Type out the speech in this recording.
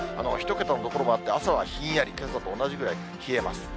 １桁の所もあって、朝はひんやり、けさと同じぐらい冷えます。